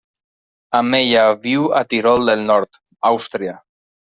Amb ella viu a Tirol del Nord, Àustria.